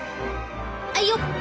あいよっ！